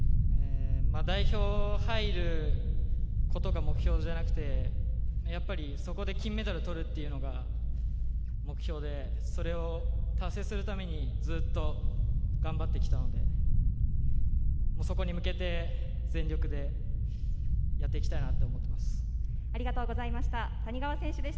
代表に入ることが目標じゃなくて、そこで金メダルを取るっていうのが目標で、それを達成するためにずっと頑張ってきたので、そこに向けて全力でやっていきたいなと思っています。